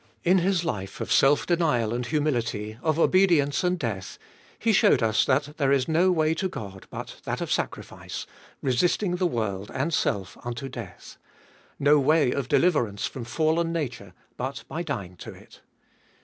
In His life of self denial and humility, of obedience and death, He showed us that there is no way to God but that of sacrifice, resisting the world and self unto death ; no way of deliverance from fallen nature but by dying to it.